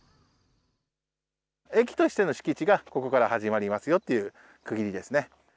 駅としての敷地がここから始まりますよという区切りですね。